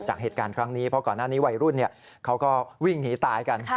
จากเหตุการณ์ครั้งนี้เพราะก่อนหน้านี้วัยรุ่นเขาก็วิ่งหนีตายกัน